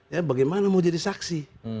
ya bagaimana mau jadi saksi